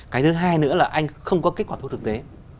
cái thứ hai nữa là anh không có kết quả thu thực tế